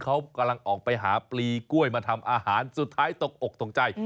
เขากำลังออกไปหาปลีกล้วยมาทำอาหารสุดท้ายตกอกตกใจ